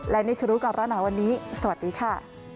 และนี่คือรูปการณ์ตอนนี้สวัสดีค่ะ